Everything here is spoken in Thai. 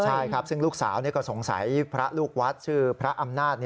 ใช่ครับซึ่งลูกสาวก็สงสัยพระลูกวัดชื่อพระอำนาจ